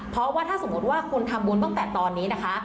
เพราะว่าถ้าสมมุติว่าคุณทำบุญตั้งแต่ตอนนี้นะคะ